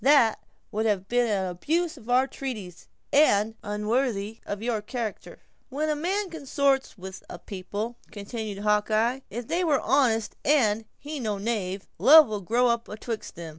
"That would have been an abuse of our treaties, and unworthy of your character." "When a man consort much with a people," continued Hawkeye, "if they were honest and he no knave, love will grow up atwixt them.